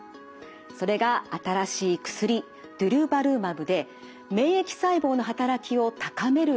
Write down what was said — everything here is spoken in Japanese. それが新しい薬デュルバルマブで免疫細胞の働きを高める薬です。